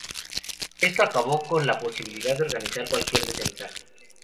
Esto acabó con la posibilidad de organizar cualquier defensa.